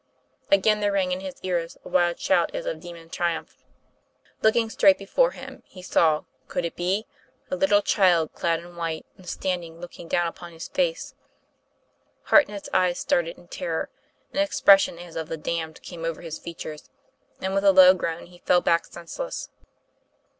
Again there rang in his ears a wild shout as of demon tri umph. Despair forced him once more to open his eyes. Looking straight before him, he saw could it be? a little child, clad in white and standing looking down upon his face. Hartnett's eyes started in terror; an expression as of the damned came over his features, and with a low groan he fell back senseless.